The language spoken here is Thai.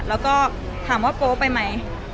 แล้วก็ถามว่าโป๊ไปไหม